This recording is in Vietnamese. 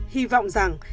hy vọng rằng